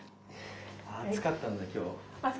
暑かったんだ今日。